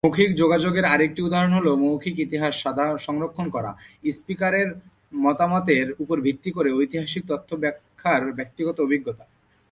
মৌখিক যোগাযোগের আরেকটি উদাহরণ হল মৌখিক ইতিহাস- সংরক্ষণ করা, স্পিকারের মতামতের উপর ভিত্তি করে ঐতিহাসিক তথ্য ব্যাখ্যার ব্যক্তিগত অভিজ্ঞতা।